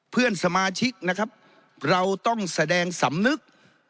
เพื่อนสมาชิกนะครับเราต้องแสดงสำนึก